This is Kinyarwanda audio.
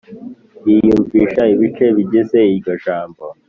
yiyumvisha ibice bigize iryo jambo,